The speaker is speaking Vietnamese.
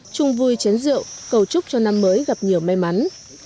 chung vui chén rượu cầu chúc cho năm mới gặp nhiều may mắn